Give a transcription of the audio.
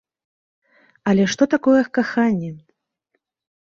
Але што такое каханне?